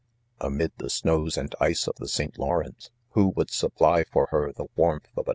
Amid, the ^now§ and ice of, the : St. Lawrence,. . who .would supply ■ for her the warmth of a